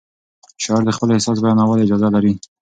شاعر د خپل احساس بیانولو اجازه لري.